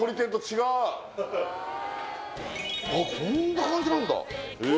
こんな感じなんだえ